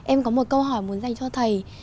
em có một câu hỏi muốn dành cho thầy